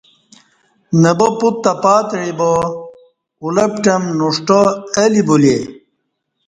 نہ با پت تہ پاتعی با ا لپ ٹم نݜٹا اہ لی بولے